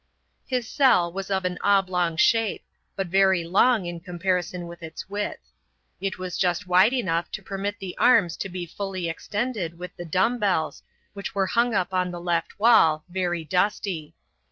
His cell was of an oblong shape, but very long in comparison with its width. It was just wide enough to permit the arms to be fully extended with the dumb bells, which were hung up on the left wall, very dusty.